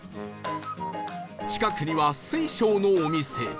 近くには水晶のお店